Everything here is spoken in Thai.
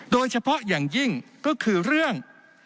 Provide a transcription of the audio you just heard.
โดยเฉพาะอย่างยิ่งก็คือเรื่อง